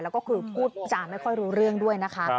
แล้วก็คือพูดจาไม่ค่อยรู้เรื่องด้วยนะคะ